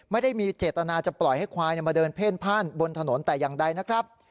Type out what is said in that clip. ไม่ได้มีเจตนาจะปล่อยให้ควายมาเดินเพ่นพ่านบนถนนแต่อย่างใดนะครับ